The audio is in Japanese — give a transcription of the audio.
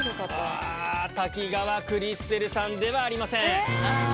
滝川クリステルさんではありません。